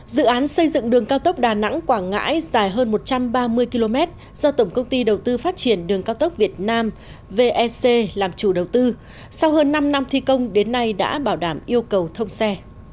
dự án xây dựng đường cao tốc đà nẵng quảng ngãi dài hơn một trăm ba mươi km do tổng công ty đầu tư phát triển đường cao tốc việt nam vec làm chủ đầu tư sau hơn năm năm thi công đến nay đã bảo đảm yêu cầu thông xe